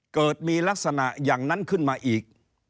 เกิดมีลักษณะอย่างนั้นขึ้นมาอีก